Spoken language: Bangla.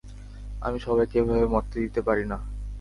আমি সবাইকে এভাবে মরতে দিতে পারি না।